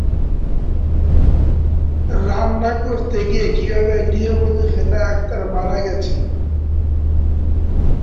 রান্না করতে গিয়ে কিভাবে গৃহবধূ হেনা আক্তার মারা গেছেন?